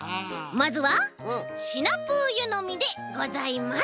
まずはシナプーゆのみでございます。